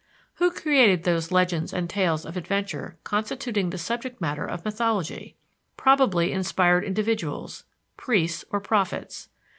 Who created those legends and tales of adventure constituting the subject matter of mythology? Probably inspired individuals, priests or prophets.